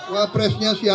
wah presnya siapa